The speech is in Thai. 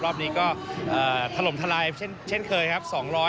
รอบนี้ก็ถล่มทลายเช่นเคยครับ